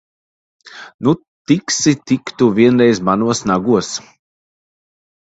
Nu, tiksi tik tu vienreiz manos nagos!